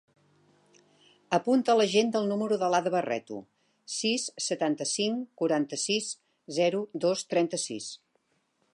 Apunta a l'agenda el número de l'Ada Barreto: sis, setanta-cinc, quaranta-sis, zero, dos, trenta-sis.